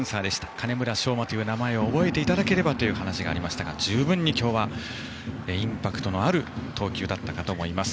金村尚真という名前を覚えていただければという話がありましたが十分に今日はインパクトのある投球だったかと思います。